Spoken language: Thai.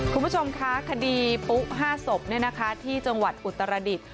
คุณผู้ชมคะคดีปุ๊กห้าศพเนี่ยนะคะที่จังหวัดอุตรดิษฐ์